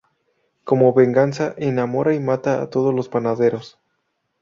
Como venganza enamora y mata a todos los panaderos.